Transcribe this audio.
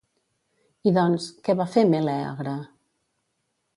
I doncs, què va fer Melèagre?